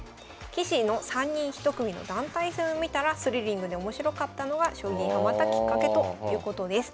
棋士の３人１組の団体戦を見たらスリリングで面白かったのが将棋にハマったきっかけということです。